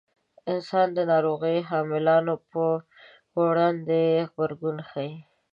انسانان د ناروغیو حاملانو په وړاندې غبرګون ښيي.